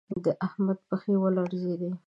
د احمد پښې و لړزېدل